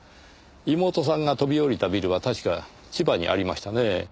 妹さんが飛び降りたビルは確か千葉にありましたね。